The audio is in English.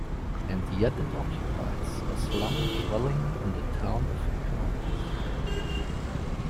And yet it occupies a slum dwelling in the town of economics.